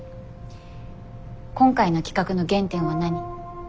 今回の企画の原点は何？